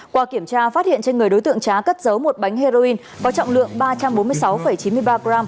qua kiểm tra phát hiện trên người đối tượng trá cất giấu một bánh heroin có trọng lượng ba trăm bốn mươi sáu chín mươi ba g